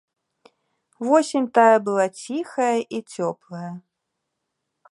Восень тая была ціхая і цёплая.